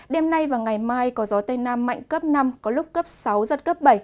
đêm nay và ngày mai có gió tây nam mạnh cấp năm có lúc cấp sáu giật cấp bảy